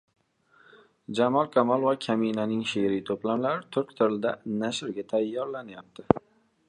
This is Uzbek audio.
Jamol Kamol va kaminaning she’riy to‘plamlari turk tilida nashrga tayyorlanyapti.